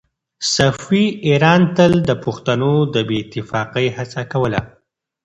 صفوي ایران تل د پښتنو د بې اتفاقۍ هڅه کوله.